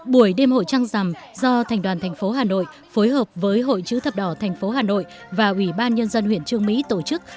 buổi đêm hội trăng rằm do thành đoàn thành phố hà nội phối hợp với hội chữ thập đỏ tp hà nội và ủy ban nhân dân huyện trương mỹ tổ chức